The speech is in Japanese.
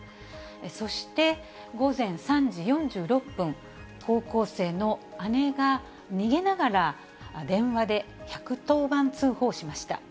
そして午前３時４６分、高校生の姉が逃げながら、電話で１１０番通報しました。